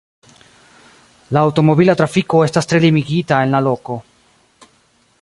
La aŭtomobila trafiko estas tre limigita en la loko.